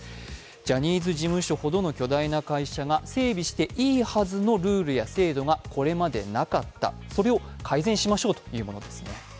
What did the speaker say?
ジャニーズ事務所ほどの巨大な会社が整備していいはずのルールなどがこれまでなかった、それを改善しましょうというものですね。